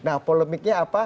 nah polemiknya apa